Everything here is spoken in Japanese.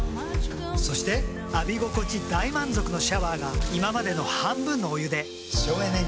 そして浴び心地大満足のシャワーが今までの半分のお湯で省エネに。